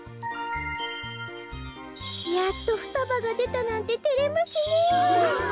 やっとふたばがでたなんててれますねえ。